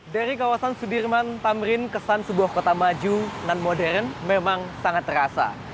dari kawasan sudirman tamrin kesan sebuah kota maju dan modern memang sangat terasa